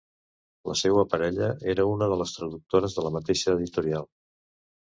La seua parella era una de les traductores de la mateixa editorial.